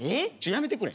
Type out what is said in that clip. やめてくれ。